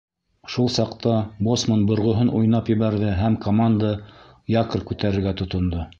Шул саҡта боцман борғоһон уйнап ебәрҙе һәм команда якорь күтәрергә тотондо.